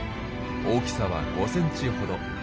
大きさは５ｃｍほど。